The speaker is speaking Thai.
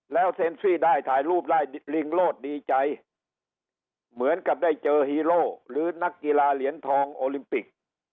แล้วเซ็นซี่ได้ถ่ายรูปได้ลิงโลดดีใจเหมือนกับได้เจอฮีโร่หรือนักกีฬาเหรียญทองโอลิมปิก